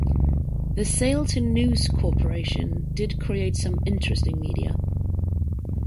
The sale to News Corporation did create some interesting media.